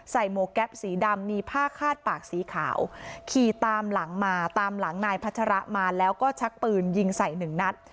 หมวกแก๊ปสีดำมีผ้าคาดปากสีขาวขี่ตามหลังมาตามหลังนายพัชระมาแล้วก็ชักปืนยิงใส่หนึ่งนัด